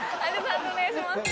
判定お願いします。